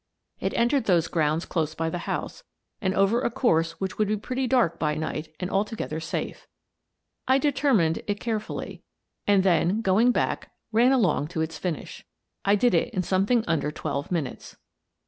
It entered those grounds close by the house, and over a course which would be pretty dark by night and altogether safe. I determined it carefully, and then, going back, ran along it to its finish. I did it in something under twelve minutes.